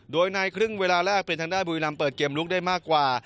โดยในครึ่งเวลาแรกเป็นทางด้านบุรีรำเปิดเกมลุกได้มากกว่า